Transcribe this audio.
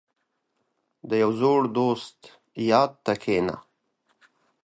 • د یو زوړ دوست یاد ته کښېنه.